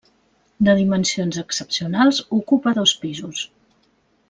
De dimensions excepcionals, ocupa dos pisos.